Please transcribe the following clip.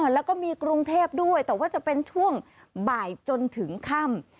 แล้วก็มีกรุงเทพด้วยแต่ว่าจะเป็นช่วงบ่ายจนถึงค่ำ